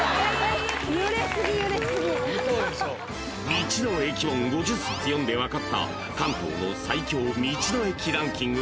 ［道の駅本５０冊読んで分かった関東の最強道の駅ランキング